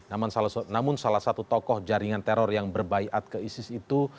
namun salah satu tokoh jaringan teror yang berbaikat ke isis itu